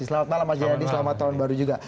selamat malam mas jayadi selamat tahun baru juga